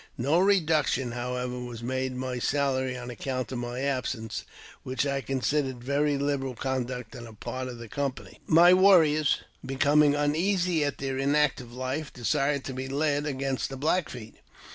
No reducti however, was made in my salary on account of my absen; which I considered very liberal conduct on the part of t' company. My warriors, becoming uneasy at their inactive life, desi to be led against the Black Feet.